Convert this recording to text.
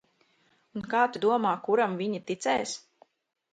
Un, kā tu domā, kuram viņi ticēs?